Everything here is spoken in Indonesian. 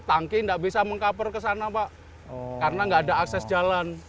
tangki tidak bisa mengkaper ke sana pak karena tidak ada akses jalan